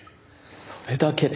それだけで。